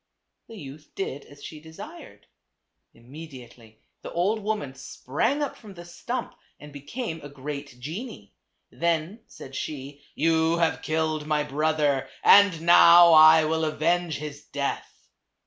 The youth did as she desired. Immediately the old woman sprang up from the stump and became a great genie. Then said she, "You have killed my brother, and now I will avenge his death."